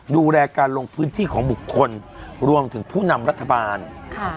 ดูแลการลงพื้นที่ของบุคคลรวมถึงผู้นำรัฐบาลค่ะ